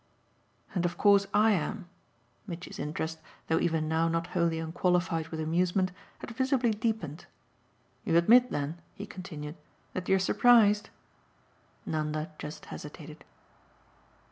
"And of course I am!" Mitchy's interest, though even now not wholly unqualified with amusement, had visibly deepened. "You admit then," he continued, "that you're surprised?" Nanda just hesitated.